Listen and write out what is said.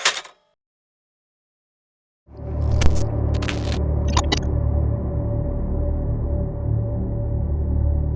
อย่าเห็นต้นใจ